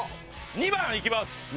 ２番いきます！